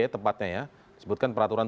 tempatnya ya disebutkan peraturan